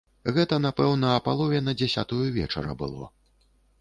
Гэта, напэўна, а палове на дзясятую вечара было.